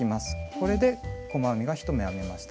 これで細編みが１目編めました。